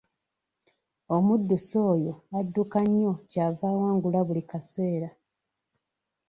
Omuddusi oyo adduka nnyo ky'ava awangula buli kaseera.